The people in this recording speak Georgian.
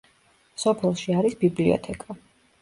სოფელში არის ბიბლიოთეკა.